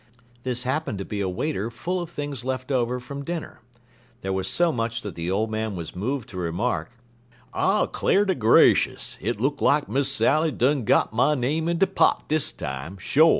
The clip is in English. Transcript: This happened to be a waiter full of things left over from dinner. There was so much that the old man was moved to remark: "I cl'ar ter gracious, hit look lak Miss Sally done got my name in de pot dis time, sho'.